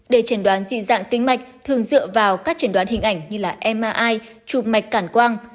để chẩn đoán dị dạng tính mạch thường dựa vào các chẩn đoán hình ảnh như là mri chụp mạch cản quang